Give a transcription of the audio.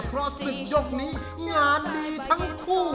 เพราะศึกยกนี้งานดีทั้งคู่